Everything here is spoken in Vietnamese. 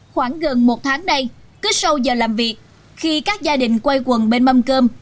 khoảng gần một tháng đây cứ sâu giờ làm việc khi các gia đình quay quần bên mâm cơm